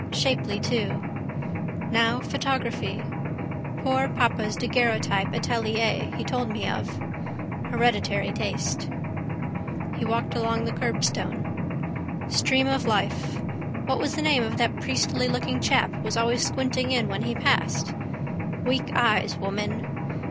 Shapely too. Now photography. Poor papa's daguerreotype atelier he told me of. Hereditary taste. He walked along the curbstone. Stream of life. What was the name of that priestylooking chap was always squinting in when he passed? Weak eyes, woman.